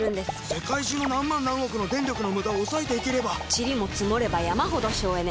世界中の何万何億の電力のムダを抑えていければチリも積もれば山ほど省エネ。